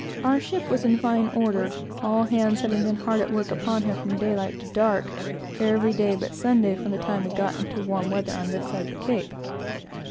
Our ship was in fine order, all hands having been hard at work upon her from daylight to dark, every day but Sunday, from the time we got into warm weather on this side the Cape.